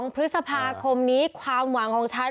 ๒พฤษภาคมนี้ความหวังของฉัน